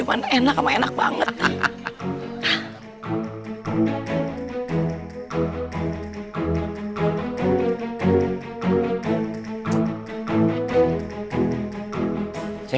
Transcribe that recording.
nanti tentang moci yang abisin